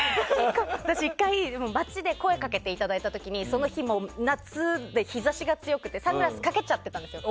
私、１回街で声をかけていただいた時にその日、夏で日差しが強くてサングラスかけちゃってたんですよ。